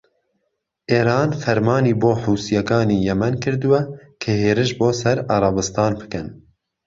ئێران فەرمانی بە حوسییەکانی یەمەن کردووە کە هێرش بۆ سەر عەرەبستان بکەن